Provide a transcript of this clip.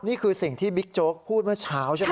นี่คือสิ่งที่บิ๊กโจ๊กพูดเมื่อเช้าใช่ไหม